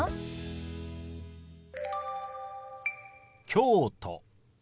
「京都」。